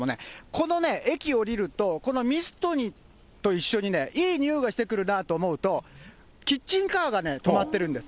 この駅降りると、このミストと一緒にね、いい匂いがしてくるなあと思うと、キッチンカーがね、止まっているんです。